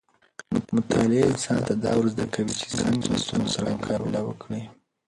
مطالعه انسان ته دا ورزده کوي چې څنګه له ستونزو سره مقابله وکړي.